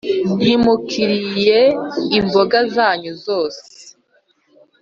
ntimukiriye imboga zanyu zose